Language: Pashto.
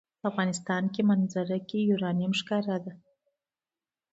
د افغانستان په منظره کې یورانیم ښکاره ده.